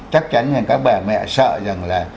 chắc chắn là các bà mẹ sợ rằng là